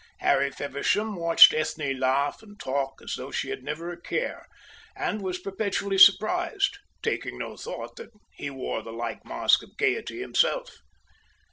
Harry Feversham watched Ethne laugh and talk as though she had never a care, and was perpetually surprised, taking no thought that he wore the like mask of gaiety himself.